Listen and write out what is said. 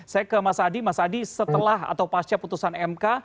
saya ke mas adi mas adi setelah atau pasca putusan mk